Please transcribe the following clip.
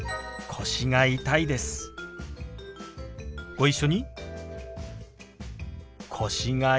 ご一緒に。